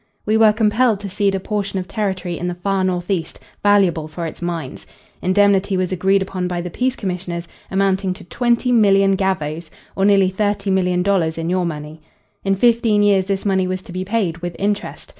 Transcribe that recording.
We were compelled to cede a portion of territory in the far northeast, valuable for its mines. Indemnity was agreed upon by the peace commissioners, amounting to 20,000,000 gavvos, or nearly $30,000,000 in your money. In fifteen years this money was to be paid, with interest.